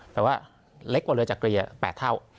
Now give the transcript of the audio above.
แต่ว่าเล็กกว่าเรือจากเกลีย๘เท่า